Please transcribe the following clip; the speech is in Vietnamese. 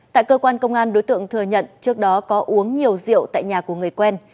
tại cơ quan công an đối tượng thừa nhận trước đó có uống nhiều rượu tại nhà của người quen